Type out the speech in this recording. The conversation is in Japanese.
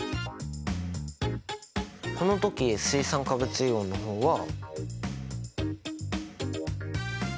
この時水酸化物イオンの方は。